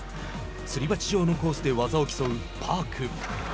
すり鉢状のコースで技を競うパーク。